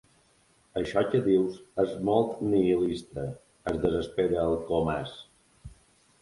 Això que dius és molt nihilista —es desespera el Comas—.